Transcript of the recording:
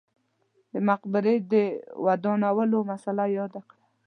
د مقبرې د ودانولو مسئله یاده کړه.